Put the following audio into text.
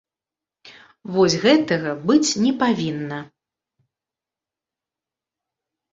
Вось гэтага быць не павінна.